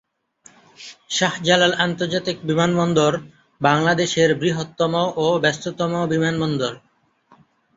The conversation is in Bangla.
শাহজালাল আন্তর্জাতিক বিমানবন্দর বাংলাদেশের বৃহত্তম ও ব্যস্ততম বিমানবন্দর।